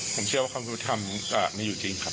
ผมเชื่อว่าคำลองต่างธรรมมันจะไม่อยู่จริงครับ